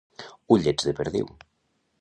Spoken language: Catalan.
Ullets de perdiu.